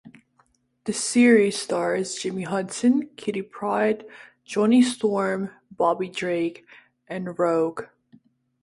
The series stars Jimmy Hudson, Kitty Pryde, Johnny Storm, Bobby Drake and Rogue.